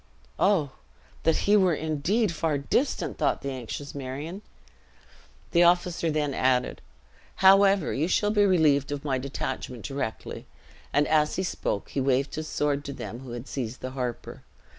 "Oh! That he were indeed far distant!" thought the anxious Marion. The officer then added, "However, you shall be relieved of my detachment directly." And as he spoke, he waved his sword to them who had seized the harper.